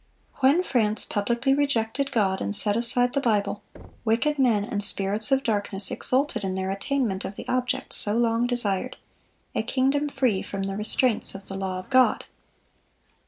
When France publicly rejected God and set aside the Bible, wicked men and spirits of darkness exulted in their attainment of the object so long desired,—a kingdom free from the restraints of the law of God.